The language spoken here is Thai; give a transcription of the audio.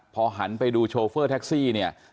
พอหันไปดูโชเฟอร์แท็กซี่